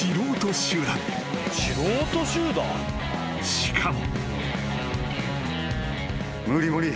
［しかも］